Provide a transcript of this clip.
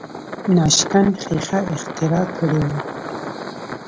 ناشکن ښیښه اختراع کړې وه.